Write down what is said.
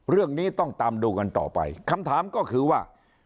เรื่องนี้ต้องตามดูกันต่อไปคำถามก็คือว่า